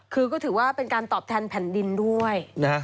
คือก็ถือว่าเป็นการตอบแทนแผ่นดินด้วย